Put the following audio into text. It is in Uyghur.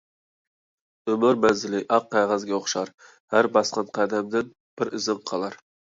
ئۆمۈر مەنزىلى ئاق قەغەزگە ئوخشار، ھەر باسقان قەدەمدىن بىر ئىزىڭ قالار.